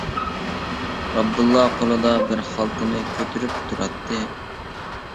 ئابدۇللا قولىدا بىر خالتىنى كۆتۈرۈپ تۇراتتى.